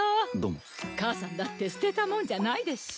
母さんだって捨てたもんじゃないでしょ。